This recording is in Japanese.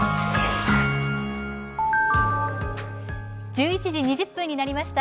１１時２０分になりました。